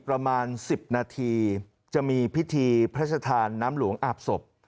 ประมาณ๑๐นาทีจะมีพิธีพระชธานน้ำหลวงอาบศพ